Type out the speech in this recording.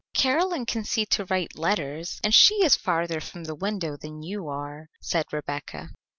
"Caroline can see to write letters, and she is farther from the window than you are," said Rebecca.